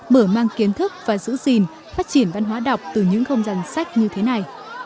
mở mang kiến thức và giữ gìn phát triển văn hóa đọc từ những không gian sách như thế này